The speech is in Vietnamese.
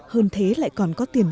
hơn thế lại còn có tiền